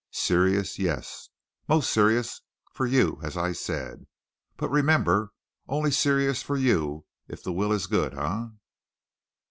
Serious yes. Most serious for you, as I said. But remember only serious for you if the will is good. Eh?"